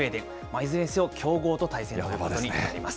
いずれにせよ、強豪と対戦ということになります。